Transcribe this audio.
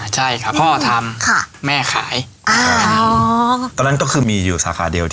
ใช่ค่ะพ่อทำค่ะแม่ขายอ๋อตอนนั้นก็คือมีอยู่สาขาเดียวที่